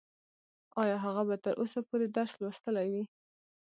ايا هغه به تر اوسه پورې درس لوستلی وي؟